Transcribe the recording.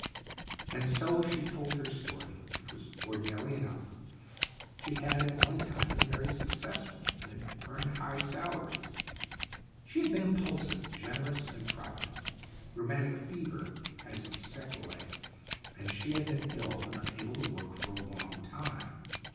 And so she told her story, which was ordinary enough. She had at one time been very successful, and had earned high salaries. She had been im pulsive, generous and improvident. Rheumatic fever has its sequelae, and she had been ill and unable to work for a long time.